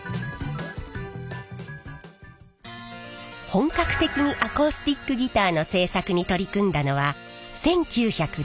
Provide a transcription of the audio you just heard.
本格的にアコースティックギターの製作に取り組んだのは１９６６年。